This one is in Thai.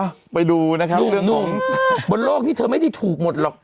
ไปดูนะครับหนุ่มบนโลกนี้เธอไม่ได้ถูกหมดหรอก